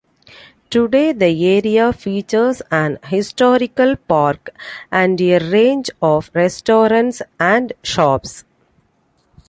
Today the area features an historical park and a range of restaurants and shops.